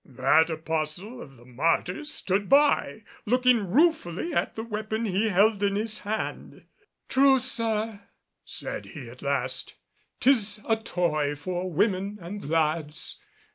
That apostle of the Martyrs stood by, looking ruefully at the weapon he held in his hand. "True, sir," said he at last, "'tis a toy for women and lads.